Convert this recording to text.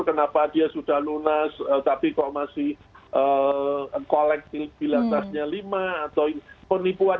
kenapa dia sudah lunas tapi kok masih kolektif bilatasnya lima atau penipuan